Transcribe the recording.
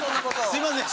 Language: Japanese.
すいません。